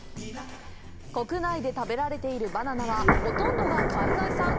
国内で食べられているバナナはほとんどが海外産。